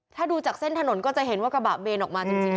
ถ้าดูจากเส้นถนนก็จะเห็นว่ากระบะเบนออกมาจริง